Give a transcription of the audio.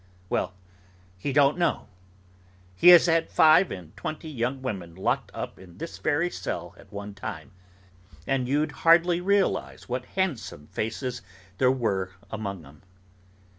Well, he don't know. He has had five and twenty young women locked up in this very cell at one time, and you'd hardly realise what handsome faces there were among 'em.